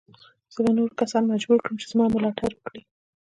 زه به نور کسان مجبور کړم چې زما ملاتړ وکړي.